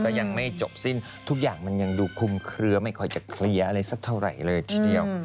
ก็ยังไม่จบสิ้นทุกอย่างมันยังดูคุมเคลือไม่ค่อยจะเคลียร์อะไรสักเท่าไหร่เลยทีเดียว